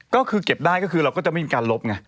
ก็คือเก็บได้ก็คือเราก็จะไม่มีการลบไง